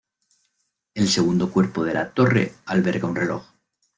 El segundo cuerpo de la torre alberga un reloj.